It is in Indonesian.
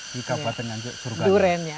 di kabupaten nganjuk surabaya